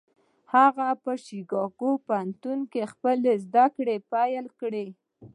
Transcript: هغه په شيکاګو پوهنتون کې خپلې زدهکړې پيل کړې.